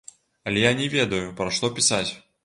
Але я не ведаю, пра што пісаць.